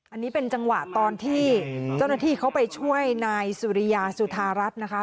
อันนี้เป็นจังหวะตอนที่เจ้าหน้าที่เขาไปช่วยนายสุริยาสุธารัฐนะคะ